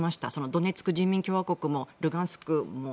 ドネツク人民共和国もルガンスクも。